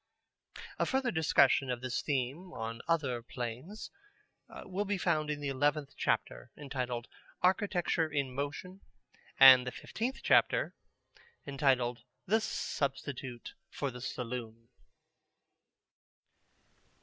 A further discussion of this theme on other planes will be found in the eleventh chapter, entitled "Architecture in Motion," and the fifteenth chapter, entitled "The Substitute for the Saloon."